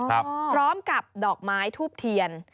พร้อมกับดอกไม้ทูบเทียน